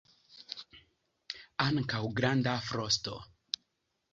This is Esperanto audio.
Ankaŭ granda frosto.